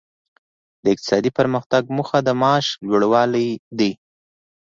د اقتصادي پرمختګ موخه د معاش لوړوالی دی.